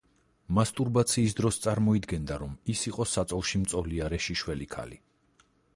მასტურბაციის დროს წარმოიდგენდა, რომ ის იყო საწოლში მწოლიარე შიშველი ქალი.